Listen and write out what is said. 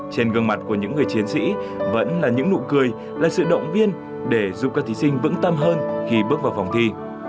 trên gương mặt của những người chiến sĩ vẫn là những nụ cười là sự động viên để giúp các thí sinh vững tâm hơn khi bước vào phòng thi